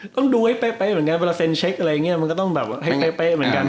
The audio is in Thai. ต้องดูให้เป๊ะเหมือนกันเวลาเซ็นเช็คอะไรอย่างนี้มันก็ต้องแบบให้เป๊ะเหมือนกัน